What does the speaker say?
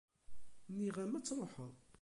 -Nniɣ-am ad truḥeḍ!